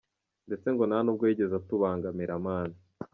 ndetse ngo nta nubwo yigeze atubangamira man.